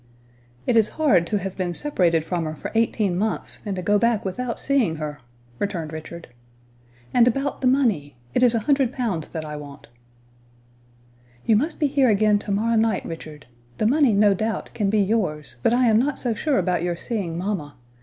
"It is hard to have been separated from her for eighteen months, and to go back without seeing her," returned Richard. "And about the money? It is a hundred pounds that I want." "You must be here again to morrow night, Richard; the money, no doubt, can be yours, but I am not so sure about your seeing mamma.